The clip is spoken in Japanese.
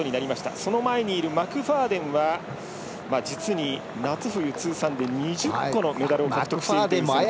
その前にいるマクファーデンは実に夏冬通算で２０個のメダルを獲得しています。